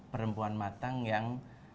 perempuan matang yang